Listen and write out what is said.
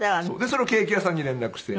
それをケーキ屋さんに連絡して。